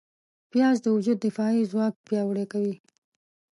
پیاز د وجود دفاعي ځواک پیاوړی کوي